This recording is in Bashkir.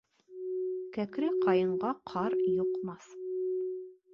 Кәкере ҡайынға ҡар йоҡмаҫ.